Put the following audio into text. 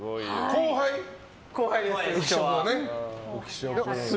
後輩です。